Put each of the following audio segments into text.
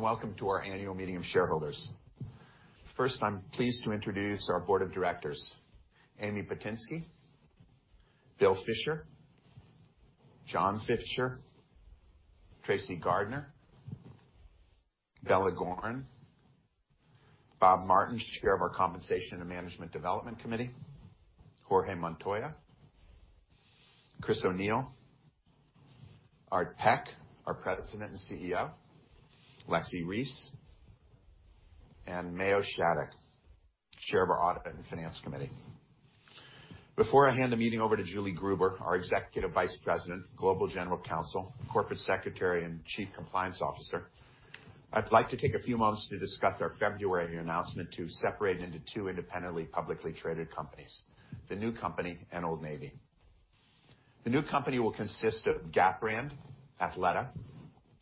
Hello, and welcome to our annual meeting of shareholders. First, I'm pleased to introduce our Board of Directors, Amy Bohutinsky, Bill Fisher, John Fisher, Tracy Gardner, Bella Goren, Bobby Martin, chair of our Compensation and Management Development Committee, Jorge Montoya, Chris O'Neill, Art Peck, our President and CEO, Lexi Reese, and Mayo Shattuck, chair of our Audit and Finance Committee. Before I hand the meeting over to Julie Gruber, our Executive Vice President, Global General Counsel, Corporate Secretary, and Chief Compliance Officer, I'd like to take a few moments to discuss our February announcement to separate into two independently publicly traded companies, the new company and Old Navy. The new company will consist of Gap brand, Athleta,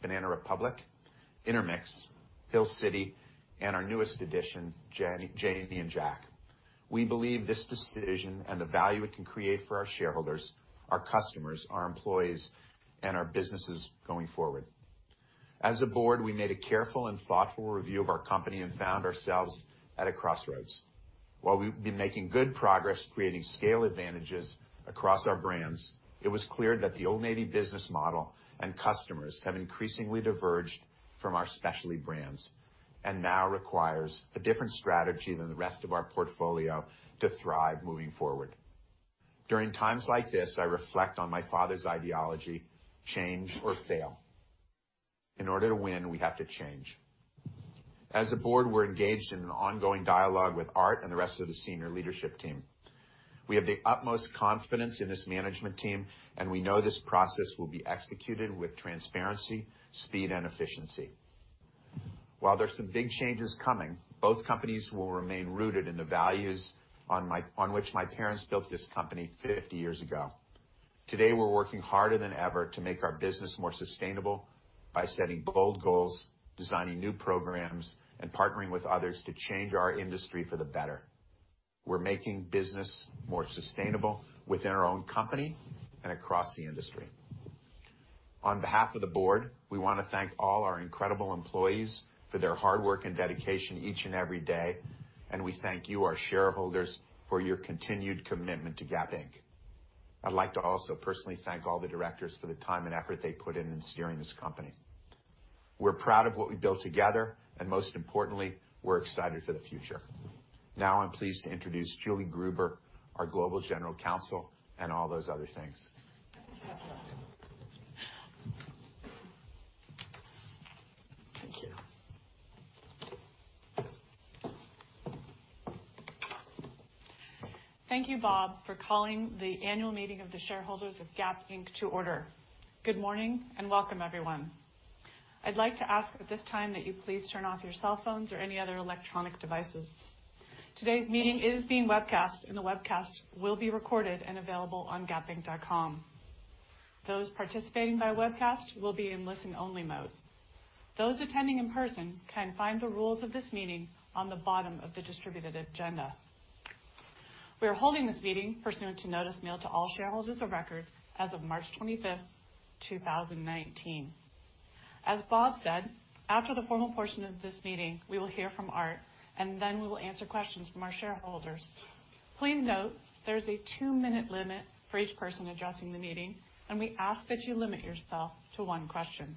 Banana Republic, Intermix, Hill City, and our newest addition, Janie and Jack. We believe this decision and the value it can create for our shareholders, our customers, our employees, and our businesses going forward. As a board, we made a careful and thoughtful review of our company and found ourselves at a crossroads. While we've been making good progress creating scale advantages across our brands, it was clear that the Old Navy business model and customers have increasingly diverged from our specialty brands, and now requires a different strategy than the rest of our portfolio to thrive moving forward. During times like this, I reflect on my father's ideology, change or fail. In order to win, we have to change. As a board, we're engaged in an ongoing dialogue with Art and the rest of the senior leadership team. We have the utmost confidence in this management team, and we know this process will be executed with transparency, speed, and efficiency. While there's some big changes coming, both companies will remain rooted in the values on which my parents built this company 50 years ago. Today, we're working harder than ever to make our business more sustainable by setting bold goals, designing new programs, and partnering with others to change our industry for the better. We're making business more sustainable within our own company and across the industry. On behalf of the board, we want to thank all our incredible employees for their hard work and dedication each and every day, and we thank you, our shareholders, for your continued commitment to Gap Inc. I'd like to also personally thank all the directors for the time and effort they put in steering this company. We're proud of what we've built together, and most importantly, we're excited for the future. Now, I'm pleased to introduce Julie Gruber, our Global General Counsel, and all those other things. Thank you. Thank you, Bob, for calling the annual meeting of the shareholders of Gap Inc. to order. Good morning, and welcome everyone. I'd like to ask at this time that you please turn off your cell phones or any other electronic devices. Today's meeting is being webcast, and the webcast will be recorded and available on gapinc.com. Those participating by webcast will be in listen-only mode. Those attending in person can find the rules of this meeting on the bottom of the distributed agenda. We are holding this meeting pursuant to notice mailed to all shareholders of record as of March 25th, 2019. As Bob said, after the formal portion of this meeting, we will hear from Art, and then we will answer questions from our shareholders. Please note, there is a two-minute limit for each person addressing the meeting, and we ask that you limit yourself to one question.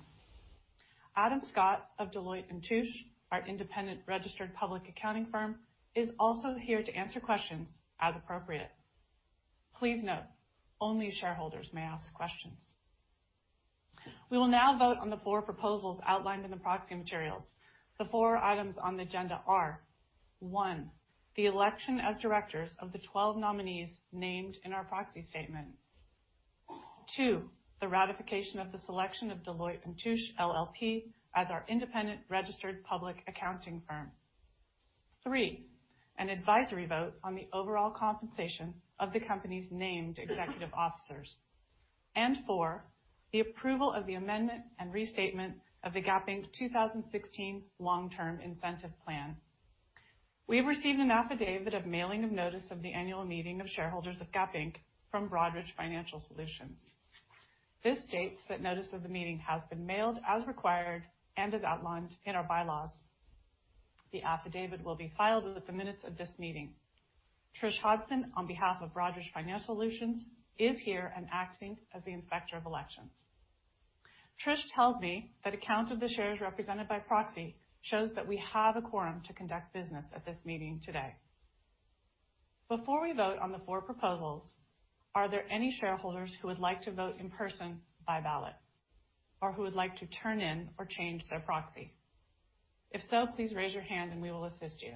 Adam Scott of Deloitte & Touche, our independent registered public accounting firm, is also here to answer questions as appropriate. Please note, only shareholders may ask questions. We will now vote on the four proposals outlined in the proxy materials. The four items on the agenda are, One, the election as directors of the 12 nominees named in our proxy statement. Two, the ratification of the selection of Deloitte & Touche LLP as our independent registered public accounting firm. Three, an advisory vote on the overall compensation of the company's named executive officers. Four, the approval of the amendment and restatement of the Gap Inc. 2016 Long-Term Incentive Plan. We have received an affidavit of mailing of notice of the annual meeting of shareholders of Gap Inc. from Broadridge Financial Solutions. This states that notice of the meeting has been mailed as required and as outlined in our bylaws. The affidavit will be filed with the minutes of this meeting. Trish Hudson, on behalf of Broadridge Financial Solutions, is here and acting as the inspector of elections. Trish tells me that a count of the shares represented by proxy shows that we have a quorum to conduct business at this meeting today. Before we vote on the four proposals, are there any shareholders who would like to vote in person by ballot or who would like to turn in or change their proxy? If so, please raise your hand and we will assist you.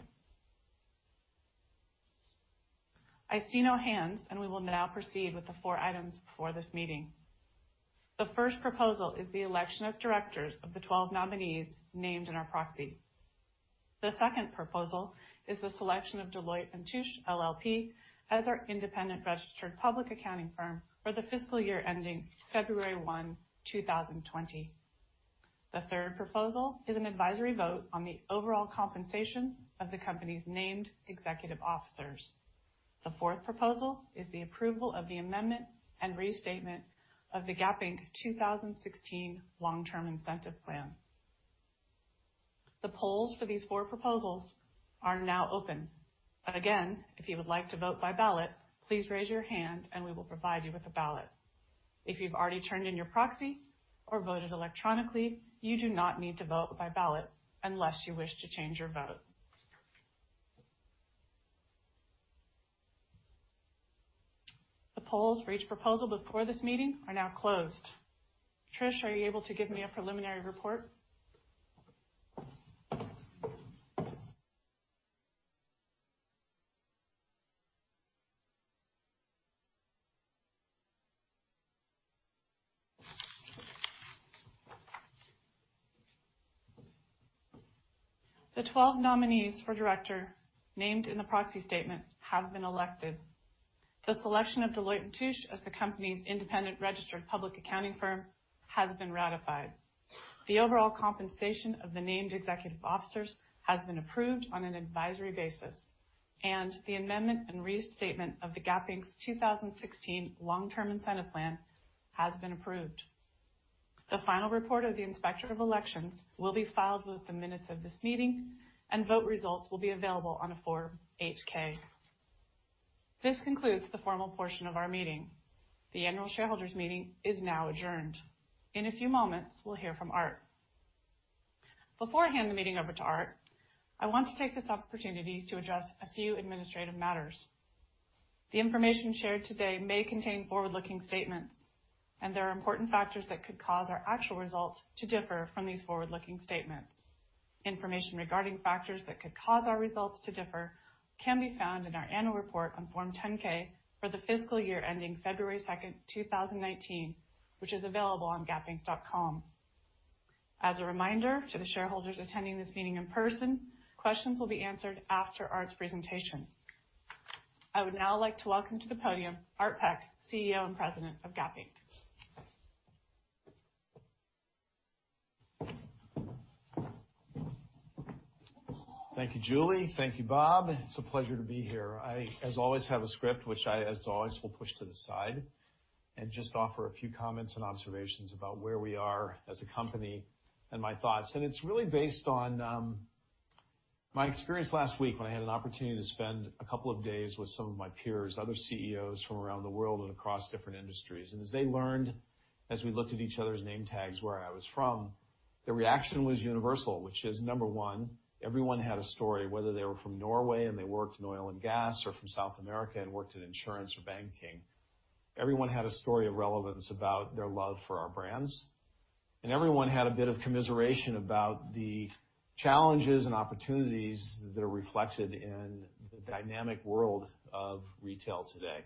I see no hands. We will now proceed with the four items before this meeting. The first proposal is the election as directors of the 12 nominees named in our proxy. The second proposal is the selection of Deloitte & Touche LLP as our independent registered public accounting firm for the fiscal year ending February 1, 2020. The third proposal is an advisory vote on the overall compensation of the company's named executive officers. The fourth proposal is the approval of the amendment and restatement of the Gap Inc. 2016 Long-Term Incentive Plan. The polls for these four proposals are now open. Again, if you would like to vote by ballot, please raise your hand and we will provide you with a ballot. If you've already turned in your proxy or voted electronically, you do not need to vote by ballot unless you wish to change your vote. The polls for each proposal before this meeting are now closed. Trish, are you able to give me a preliminary report? The 12 nominees for director named in the proxy statement have been elected. The selection of Deloitte & Touche as the company's independent registered public accounting firm has been ratified. The overall compensation of the named executive officers has been approved on an advisory basis, and the amendment and restatement of the Gap Inc.'s 2016 Long-Term Incentive Plan has been approved. The final report of the Inspector of Elections will be filed with the minutes of this meeting, and vote results will be available on a Form 8-K. This concludes the formal portion of our meeting. The annual shareholders' meeting is now adjourned. In a few moments, we'll hear from Art. Before I hand the meeting over to Art, I want to take this opportunity to address a few administrative matters. The information shared today may contain forward-looking statements. There are important factors that could cause our actual results to differ from these forward-looking statements. Information regarding factors that could cause our results to differ can be found in our annual report on Form 10-K for the fiscal year ending February 2nd, 2019, which is available on gapinc.com. As a reminder to the shareholders attending this meeting in person, questions will be answered after Art's presentation. I would now like to welcome to the podium Art Peck, CEO and President of Gap Inc. Thank you, Julie. Thank you, Bob. It's a pleasure to be here. I, as always, have a script, which I, as always, will push to the side and just offer a few comments and observations about where we are as a company and my thoughts. It's really based on my experience last week when I had an opportunity to spend a couple of days with some of my peers, other CEOs from around the world and across different industries. As they learned, as we looked at each other's name tags where I was from, their reaction was universal, which is, number one, everyone had a story, whether they were from Norway and they worked in oil and gas or from South America and worked in insurance or banking. Everyone had a story of relevance about their love for our brands. Everyone had a bit of commiseration about the challenges and opportunities that are reflected in the dynamic world of retail today.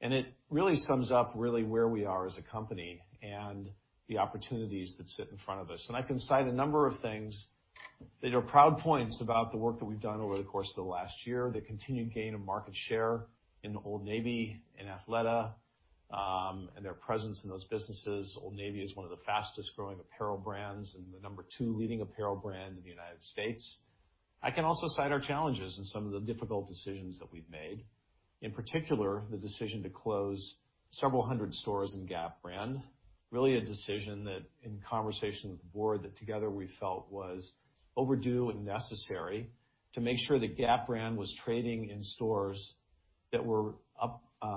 It really sums up really where we are as a company and the opportunities that sit in front of us. I can cite a number of things that are proud points about the work that we've done over the course of the last year. The continued gain of market share in Old Navy and Athleta, and their presence in those businesses. Old Navy is one of the fastest-growing apparel brands and the number two leading apparel brand in the United States. I can also cite our challenges and some of the difficult decisions that we've made. In particular, the decision to close several hundred stores in Gap brand, really a decision that in conversation with the board that together we felt was overdue and necessary to make sure that Gap brand was trading in stores that were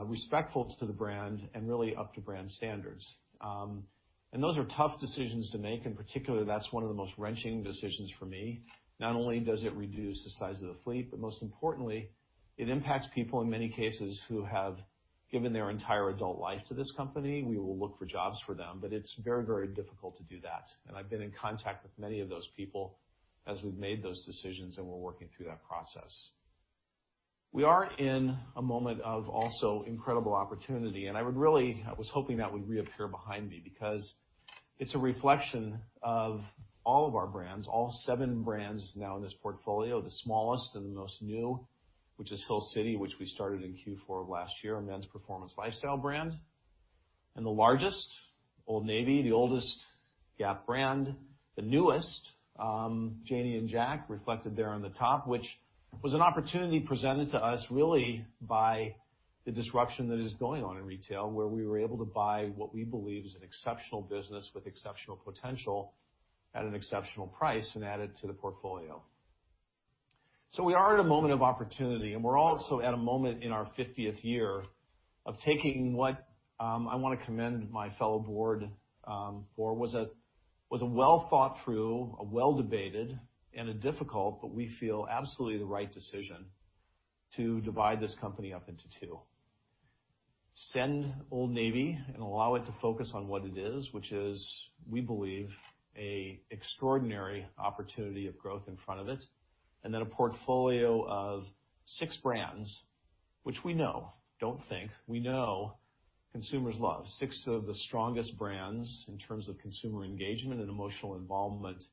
respectful to the brand and really up to brand standards. Those are tough decisions to make, and particularly that's one of the most wrenching decisions for me. Not only does it reduce the size of the fleet, but most importantly, it impacts people in many cases who have given their entire adult life to this company. We will look for jobs for them, but it's very difficult to do that. I've been in contact with many of those people as we've made those decisions, and we're working through that process. We are in a moment of also incredible opportunity. I was hoping that would reappear behind me because it's a reflection of all of our brands, all seven brands now in this portfolio, the smallest and the most new, which is Hill City, which we started in Q4 of last year, a men's performance lifestyle brand. The largest, Old Navy, the oldest Gap brand. The newest, Janie and Jack, reflected there on the top, which was an opportunity presented to us really by the disruption that is going on in retail, where we were able to buy what we believe is an exceptional business with exceptional potential at an exceptional price and add it to the portfolio. We are at a moment of opportunity, and we're also at a moment in our 50th year of taking what I want to commend my fellow board for, was a well thought through, a well debated, and a difficult, but we feel absolutely the right decision to divide this company up into two. Send Old Navy and allow it to focus on what it is, which is, we believe, a extraordinary opportunity of growth in front of it, and then a portfolio of six brands, which we know, don't think, we know consumers love. Six of the strongest brands in terms of consumer engagement and emotional involvement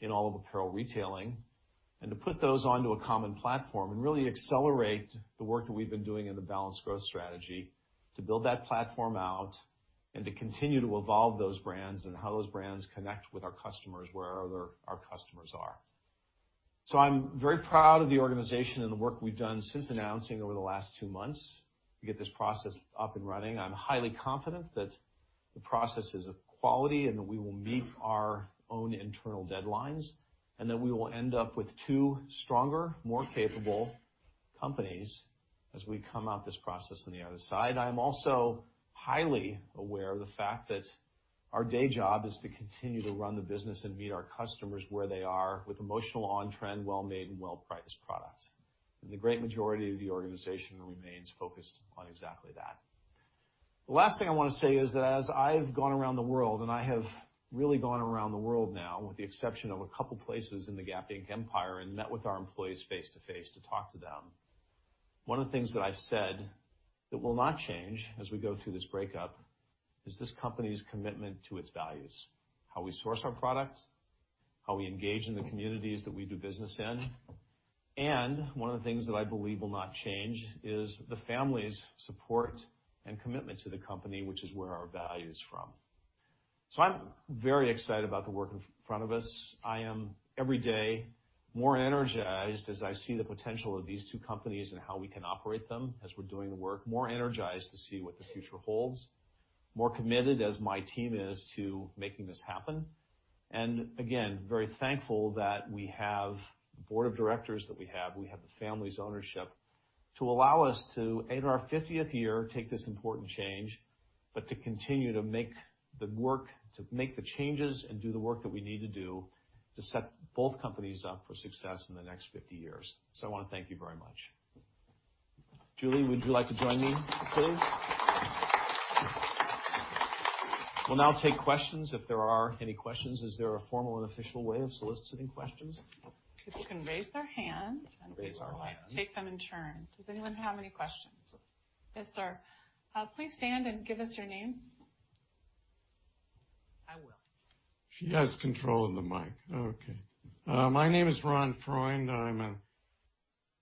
in all of apparel retailing, and to put those onto a common platform and really accelerate the work that we've been doing in the balanced growth strategy to build that platform out and to continue to evolve those brands and how those brands connect with our customers where our customers are. I'm very proud of the organization and the work we've done since announcing over the last two months to get this process up and running. I'm highly confident that the process is of quality and that we will meet our own internal deadlines, and that we will end up with two stronger, more capable companies as we come out this process on the other side. I am also highly aware of the fact that our day job is to continue to run the business and meet our customers where they are with emotional, on-trend, well-made and well-priced products. The great majority of the organization remains focused on exactly that. The last thing I want to say is that as I've gone around the world, and I have really gone around the world now, with the exception of a couple of places in the Gap Inc. empire, and met with our employees face to face to talk to them. One of the things that I've said that will not change as we go through this breakup is this company's commitment to its values, how we source our products, how we engage in the communities that we do business in. One of the things that I believe will not change is the family's support and commitment to the company, which is where our value is from. I'm very excited about the work in front of us. I am, every day, more energized as I see the potential of these two companies and how we can operate them as we're doing the work. More energized to see what the future holds. More committed, as my team is, to making this happen. Again, very thankful that we have the board of directors that we have. We have the family's ownership to allow us to, in our 50th year, take this important change, but to continue to make the changes and do the work that we need to do to set both companies up for success in the next 50 years. I want to thank you very much. Julie, would you like to join me, please? We'll now take questions if there are any questions. Is there a formal and official way of soliciting questions? People can raise their hand. Raise our hand. We will take them in turn. Does anyone have any questions? Yes, sir. Please stand and give us your name. I will. She has control of the mic. Okay. My name is Ron Freund. I'm an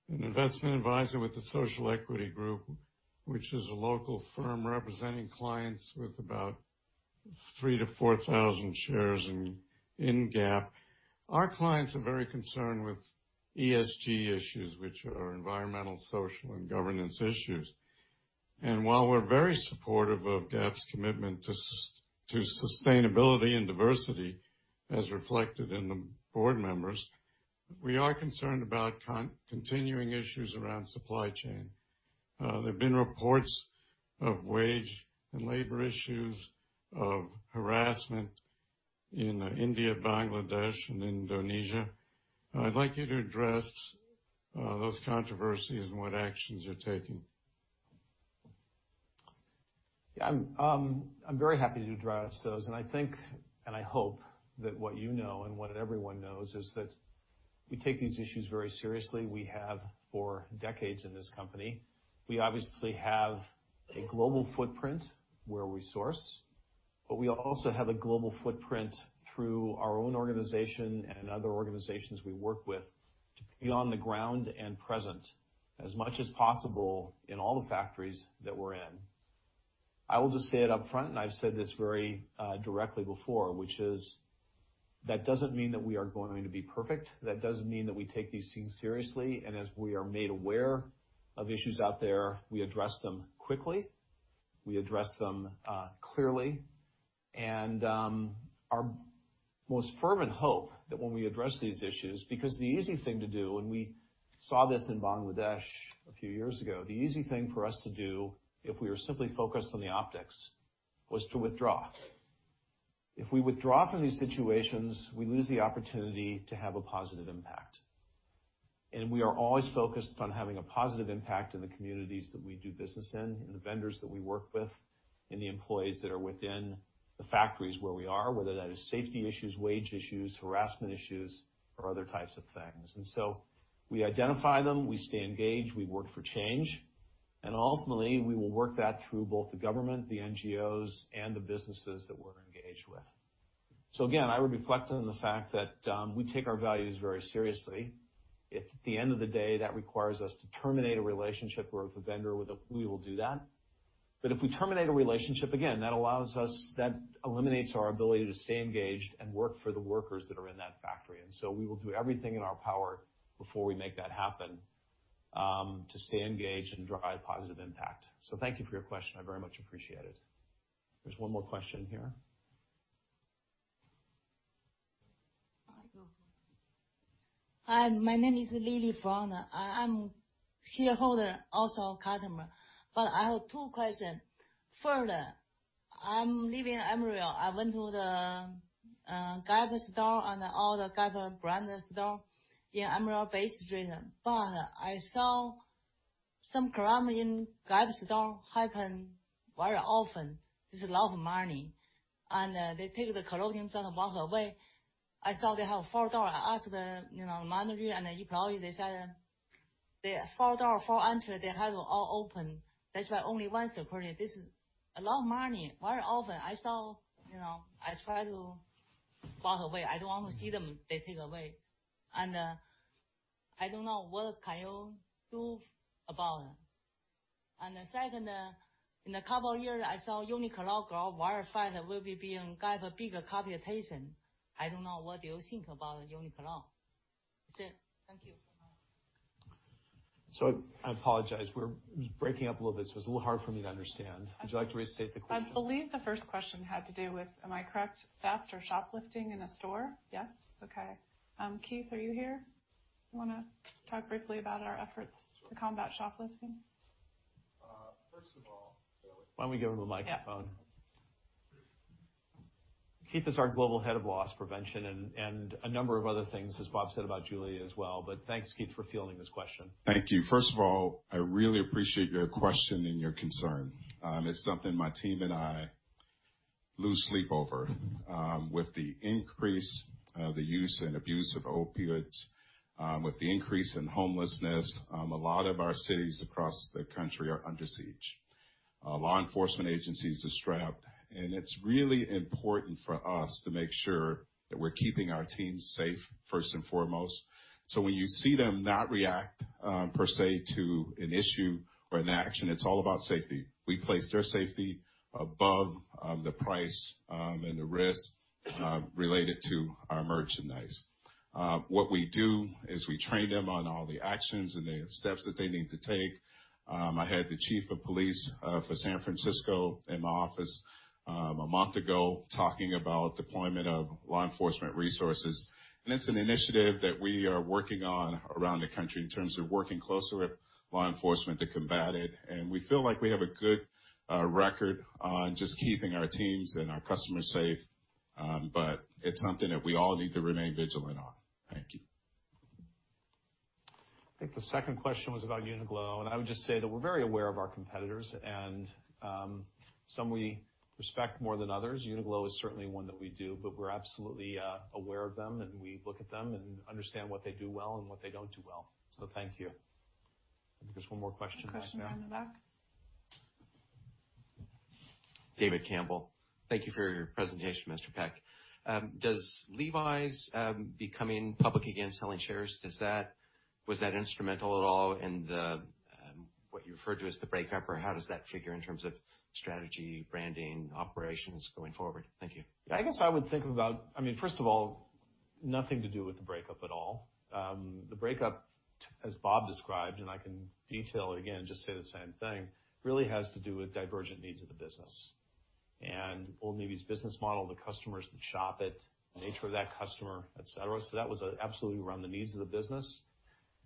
investment advisor with the Social Equity Group, which is a local firm representing clients with about three to 4,000 shares in Gap. Our clients are very concerned with ESG issues, which are environmental, social, and governance issues. While we're very supportive of Gap's commitment to sustainability and diversity as reflected in the board members, we are concerned about continuing issues around supply chain. There have been reports of wage and labor issues of harassment in India, Bangladesh, and Indonesia. I'd like you to address those controversies and what actions you're taking. I'm very happy to address those, and I think, and I hope that what you know and what everyone knows is that we take these issues very seriously. We have for decades in this company. We obviously have a global footprint where we source, but we also have a global footprint through our own organization and other organizations we work with to be on the ground and present as much as possible in all the factories that we are in. I will just say it up front, and I have said this very directly before, which is, that doesn't mean that we are going to be perfect. That doesn't mean that we take these things seriously. As we are made aware of issues out there, we address them quickly, we address them clearly. Our most fervent hope that when we address these issues, because the easy thing to do, and we saw this in Bangladesh a few years ago. The easy thing for us to do, if we were simply focused on the optics, was to withdraw. If we withdraw from these situations, we lose the opportunity to have a positive impact. We are always focused on having a positive impact in the communities that we do business in the vendors that we work with, in the employees that are within the factories where we are, whether that is safety issues, wage issues, harassment issues, or other types of things. We identify them, we stay engaged, we work for change, and ultimately, we will work that through both the government, the NGOs, and the businesses that we are engaged with. Again, I would reflect on the fact that we take our values very seriously. If at the end of the day, that requires us to terminate a relationship or with a vendor, we will do that. If we terminate a relationship, again, that eliminates our ability to stay engaged and work for the workers that are in that factory. We will do everything in our power before we make that happen, to stay engaged and drive positive impact. Thank you for your question. I very much appreciate it. There's one more question here. Hi. My name is Lilly Frona. I am shareholder, also customer. I have two questions. Further, I'm living in EMeryville. I went to the Gap store and all the Gap brand store in Emeryville-based store. I saw some crime in Gap store happen very often. This is a lot of money. They take the clothing just about away. I saw they have four door. I asked the manager and the employee, they said four door, four entry, they have all open. There's only one security. This is a lot of money. Very often, I try to walk away. I don't want to see them, they take away. I don't know, what can you do about it? The second, in a couple of years, I saw UNIQLO grow very fast, will be being kind of a bigger competition. I don't know, what do you think about UNIQLO? That's it. Thank you so much. I apologize. We're breaking up a little bit, so it's a little hard for me to understand. Would you like to restate the question? I believe the first question had to do with, am I correct, theft or shoplifting in a store? Yes? Okay. Keith, are you here? You want to talk briefly about our efforts to combat shoplifting? First of all Why don't we give him the microphone? Yeah. Keith is our global head of loss prevention and a number of other things, as Bob said about Julie as well. Thanks, Keith, for fielding this question. Thank you. First of all, I really appreciate your question and your concern. It's something my team and I lose sleep over. With the increase of the use and abuse of opioids, with the increase in homelessness, a lot of our cities across the country are under siege. Law enforcement agencies are strapped, and it's really important for us to make sure that we're keeping our teams safe, first and foremost. When you see them not react, per se, to an issue or an action, it's all about safety. We place their safety above the price and the risk related to our merchandise. What we do is we train them on all the actions and the steps that they need to take. I had the chief of police for San Francisco in my office a month ago, talking about deployment of law enforcement resources. It's an initiative that we are working on around the country in terms of working closer with law enforcement to combat it. We feel like we have a good record on just keeping our teams and our customers safe, but it's something that we all need to remain vigilant on. Thank you. I think the second question was about UNIQLO. I would just say that we're very aware of our competitors and some we respect more than others. UNIQLO is certainly one that we do, we're absolutely aware of them, and we look at them and understand what they do well and what they don't do well. Thank you. I think there's one more question in the back. One question in the back. David Campbell. Thank you for your presentation, Mr. Peck. Does Levi's becoming public again, selling shares, was that instrumental at all in the, what you referred to as the breakup, or how does that figure in terms of strategy, branding, operations going forward? Thank you. First of all, nothing to do with the breakup at all. The breakup, as Bob described, I can detail it again and just say the same thing, really has to do with divergent needs of the business. Old Navy's business model, the customers that shop it, the nature of that customer, et cetera. That was absolutely around the needs of the business.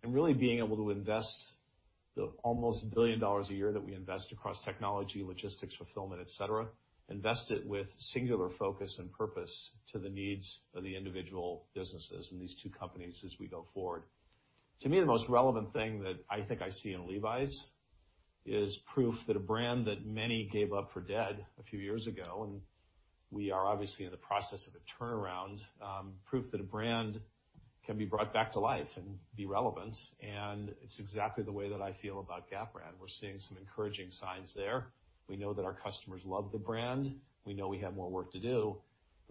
Really being able to invest the almost $1 billion a year that we invest across technology, logistics, fulfillment, et cetera, invest it with singular focus and purpose to the needs of the individual businesses and these two companies as we go forward. To me, the most relevant thing that I think I see in Levi's is proof that a brand that many gave up for dead a few years ago, and we are obviously in the process of a turnaround, proof that a brand can be brought back to life and be relevant. It's exactly the way that I feel about Gap brand. We're seeing some encouraging signs there. We know that our customers love the brand. We know we have more work to do.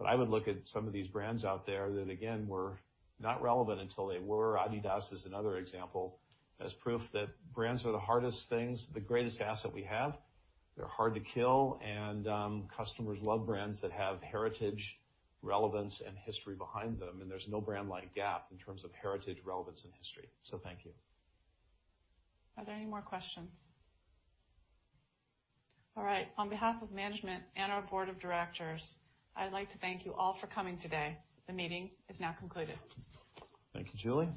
I would look at some of these brands out there that, again, were not relevant until they were, adidas is another example, as proof that brands are the hardest things, the greatest asset we have. They're hard to kill. Customers love brands that have heritage, relevance, and history behind them, and there's no brand like Gap in terms of heritage, relevance, and history. Thank you. Are there any more questions? All right. On behalf of management and our board of directors, I'd like to thank you all for coming today. The meeting is now concluded. Thank you, Julie.